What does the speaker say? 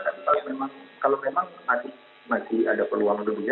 tapi kalau memang masih ada peluang untuk begitu